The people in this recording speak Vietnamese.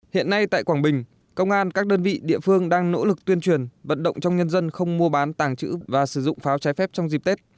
hiện nay tại quảng bình công an các đơn vị địa phương đang nỗ lực tuyên truyền vận động trong nhân dân không mua bán tàng trữ và sử dụng pháo trái phép trong dịp tết